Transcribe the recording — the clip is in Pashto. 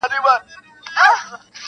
• مدرسې یې د ښارونو کړلې بندي -